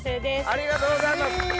ありがとうございます。